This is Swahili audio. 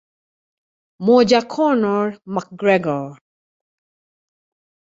MojaConor McGregor